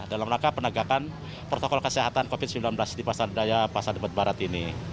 dalam rangka penegakan protokol kesehatan covid sembilan belas di pasar daya pasar debat barat ini